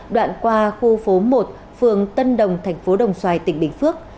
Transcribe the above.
đoạn qua khu phố một phường tân đồng thành phố đồng xoài tỉnh bình phước